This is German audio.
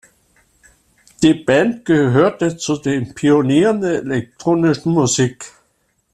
Die Band gehörte zu den Pionieren der elektronischen Musik.